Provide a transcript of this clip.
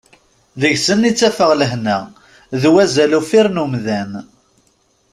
Deg-sen i ttafeɣ lehna d wazal uffir n umdan.